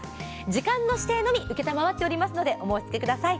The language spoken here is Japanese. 時間の指定のみ承っておりますのでお申し付けください。